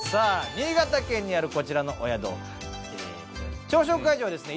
新潟県にあるこちらのお宿朝食会場はですね